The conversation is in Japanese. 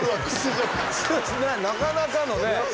なかなかのね。